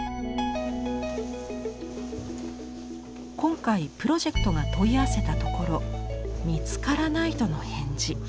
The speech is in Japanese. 今回プロジェクトが問い合わせたところ見つからないとの返事。